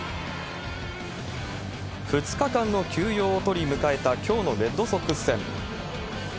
２日間の休養を取り、迎えたきょうのレッドソックス戦。